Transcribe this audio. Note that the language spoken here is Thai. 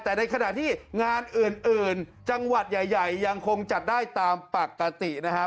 แต่ในขณะที่งานอื่นจังหวัดใหญ่ยังคงจัดได้ตามปกตินะครับ